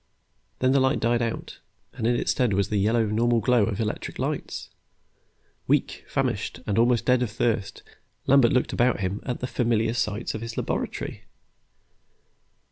Then the light died out, and in its stead was the yellow, normal glow of the electric lights. Weak, famished, almost dead of thirst, Lambert looked about him at the familiar sights of his laboratory.